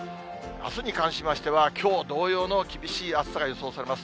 あすに関しましては、きょう同様の厳しい暑さが予想されます。